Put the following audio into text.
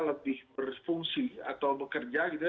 lebih berfungsi atau bekerja gitu ya